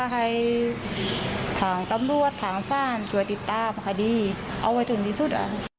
ให้ทางตำรวจทางฟ่านช่วยติดตามคดีเอาไว้ถึงที่สุด